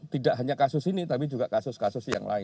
tidak hanya kasus ini tapi juga kasus kasus yang lain